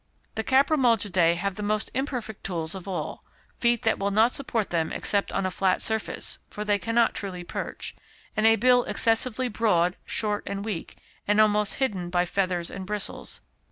The Caprimulgidæ have the most imperfect tools of all, feet that will not support them except on a flat surface (for they cannot truly perch) and a bill excessively broad, short, and weak, and almost hidden by feathers and bristles.